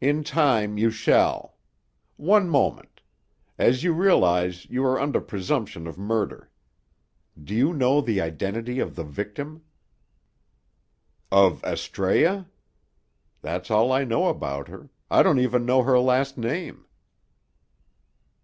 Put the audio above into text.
"In time you shall. One moment. As you realize, you are under presumption of murder. Do you know the identity of the victim?" "Of Astræa? That's all I know about her. I don't even know her last name."